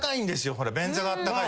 ほら便座があったかい。